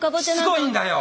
しつこいんだよ！